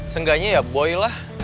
seenggaknya ya boy lah